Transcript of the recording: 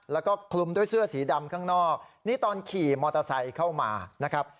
แล้วก็คลุมด้วยเสื้อสีดำข้างนอกนี่ตอนขี่มอเตอร์ไซค์เข้ามานะครับ